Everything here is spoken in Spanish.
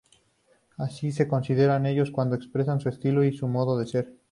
Así se consideran ellos, cuando expresan su estilo y su modo de ser.